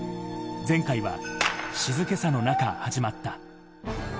前回は静けさの中、始まった。